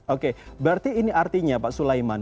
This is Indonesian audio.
oke berarti ini artinya pak sulaiman